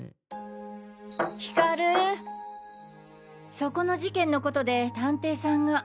そこの事件のことで探偵さんが。